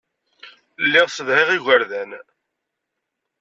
Lliɣ ssedhayeɣ igerdan.